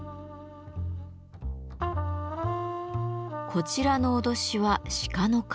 こちらの威しは鹿の革。